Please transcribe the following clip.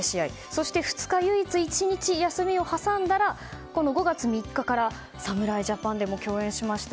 そして２日唯一の１日の休みを挟んだら５月３日から侍ジャパンでも共演しました